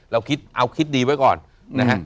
เราคิดเอาคิดดีไว้ก่อนนะฮะ